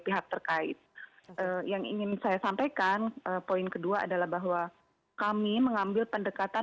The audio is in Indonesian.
pihak terkait yang ingin saya sampaikan poin kedua adalah bahwa kami mengambil pendekatan